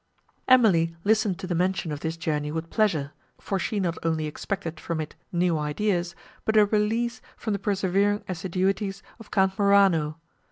Emily listened to the mention of this journey with pleasure, for she not only expected from it new ideas, but a release from the persevering assiduities of Count Morano.